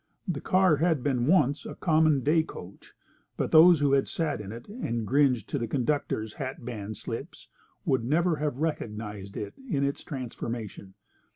The car had been once a common day coach, but those who had sat in it and gringed to the conductor's hat band slips would never have recognised it in its transformation.